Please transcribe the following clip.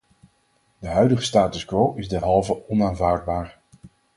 De huidige status-quo is derhalve onaanvaardbaar.